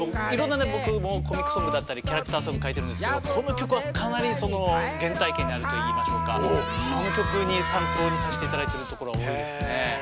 いろんなね僕もコミックソングだったりキャラクターソング書いてるんですけどこの曲はかなりその原体験にあるといいましょうかこの曲に参考にさせて頂いてるところは多いですね。